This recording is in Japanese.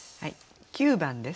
９番です。